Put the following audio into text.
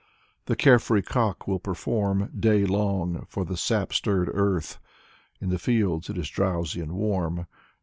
The carefree cock will perform Day long for the sap stirred earth. In the fields it is drowsy and warm.